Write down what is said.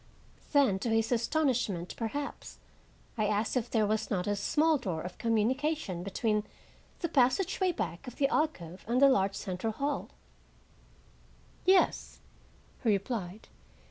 Then, to his astonishment, perhaps, I asked if there was not a small door of communication between the passageway back of the alcove and the large central hall. "Yes," he replied.